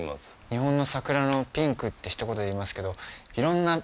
日本の桜のピンクってひと言で言いますけど色んなね